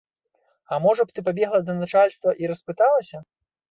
А можа б, ты пабегла да начальства і распыталася.